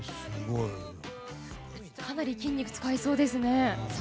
かなり筋肉を使いそうですね。